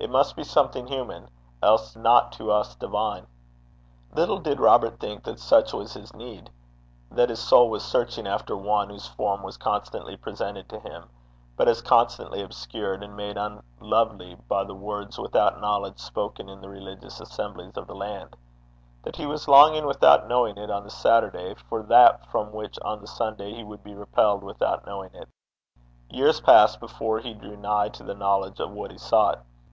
It must be something human, else not to us divine. Little did Robert think that such was his need that his soul was searching after One whose form was constantly presented to him, but as constantly obscured and made unlovely by the words without knowledge spoken in the religious assemblies of the land; that he was longing without knowing it on the Saturday for that from which on the Sunday he would be repelled without knowing it. Years passed before he drew nigh to the knowledge of what he sought.